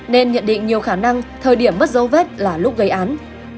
nên nhận định nhiều khả năng thời điểm mất dấu vết là lúc gây án